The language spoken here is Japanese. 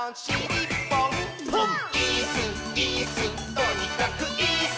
とにかくイス！」